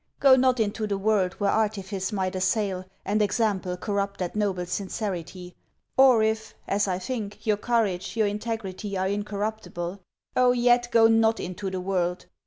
'Go not into the world, where artifice might assail and example corrupt that noble sincerity. Or if, as I think, your courage, your integrity, are incorruptible. Oh yet, go not into the world!